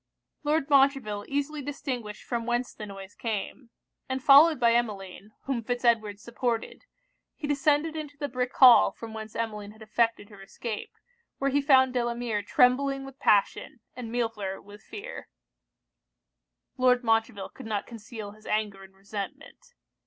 Lord Montreville easily distinguished from whence the noise came; and followed by Emmeline, whom Fitz Edward supported, he descended into the brick hall from whence Emmeline had effected her escape, where he found Delamere trembling with passion, and Millefleur with fear. Lord Montreville could not conceal his anger and resentment.